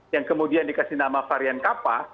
yang kemudian dikasih nama varian kapa